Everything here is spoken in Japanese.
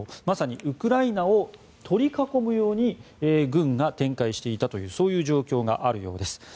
まさにウクライナを取り囲むように軍が展開していたという状況があるようです。